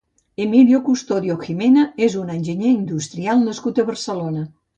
Emilio Custodio Gimena és un enginyer industrial nascut a Barcelona.